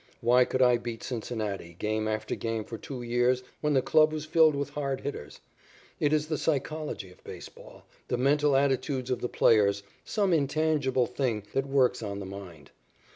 Why could I beat Cincinnati game after game for two years when the club was filled with hard hitters? It is the psychology of baseball, the mental attitudes of the players, some intangible thing that works on the mind.